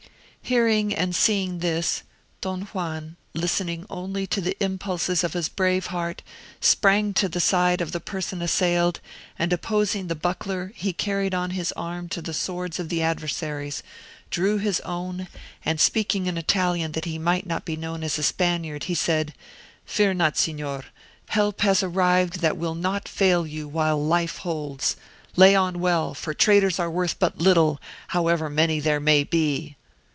Hearing and seeing this, Don Juan, listening only to the impulses of his brave heart, sprang to the side of the person assailed, and opposing the buckler he carried on his arm to the swords of the adversaries, drew his own, and speaking in Italian that he might not be known as a Spaniard, he said—"Fear not, Signor, help has arrived that will not fail you while life holds; lay on well, for traitors are worth but little however many there may be."